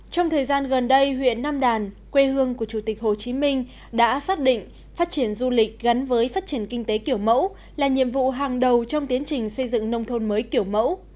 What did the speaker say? trong thời gian gần đây huyện nam đàn quê hương của chủ tịch hồ chí minh đã xác định phát triển du lịch gắn với phát triển kinh tế kiểu mẫu là nhiệm vụ hàng đầu trong tiến trình xây dựng nông thôn mới kiểu mẫu